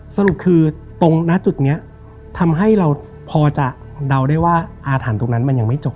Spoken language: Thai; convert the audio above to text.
สรุปคือตรงหน้าจุดนี้ทำให้เราพอจะเดาได้ว่าอาถรรพ์ตรงนั้นมันยังไม่จบ